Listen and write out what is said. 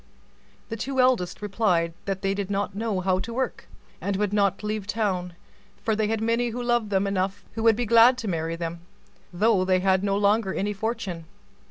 The two eldest replied that they did not know how to work, and would not leave town; for they had lovers enough who would be glad to marry them, though they had no longer any fortune.